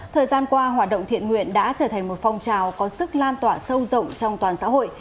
thời gian qua hoạt động thiện nguyện đã trở thành một phong trào có sức lan tỏa sâu rộng trong toàn xã hội